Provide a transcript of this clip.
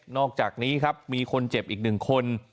อกจากนี้ครับมีคนเจ็บอีก๑คน